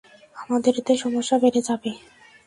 আমাদের এতে সমস্যা বেড়ে যাবে।